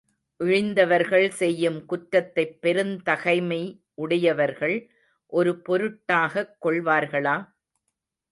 இழிந்தவர்கள் செய்யும் குற்றத்தைப் பெருந்தகைமை உடையவர்கள் ஒரு பொருட்டாகக் கொள்வார்களா?